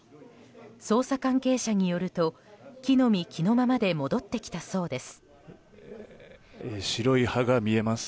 捜査関係者によると着の身着のままで戻ってきたそうです。